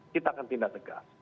kita akan pindah tegak